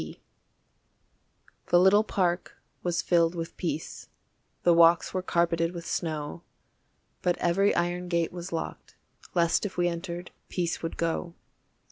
P. The little park was filled with peace, The walks were carpeted with snow, But every iron gate was locked. Lest if we entered, peace would go.